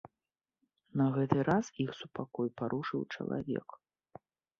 На гэты раз іх супакой парушыў чалавек.